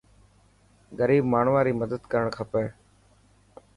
غريب ماڻهوان ري مدد ڪرڻ کپي.